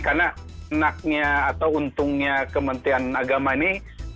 karena anaknya atau untungnya kementerian agama ini